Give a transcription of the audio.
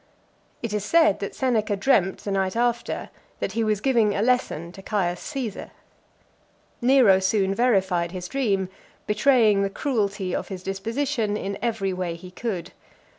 It is said, that Seneca dreamt the night after, that he was giving a lesson to Caius Caesar . Nero soon verified his dream, betraying the cruelty of his disposition in every way he could.